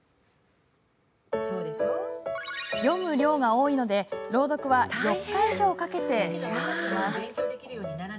読む量が多いので朗読は４日以上かけて収録します。